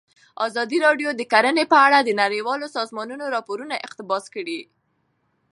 ازادي راډیو د کرهنه په اړه د نړیوالو سازمانونو راپورونه اقتباس کړي.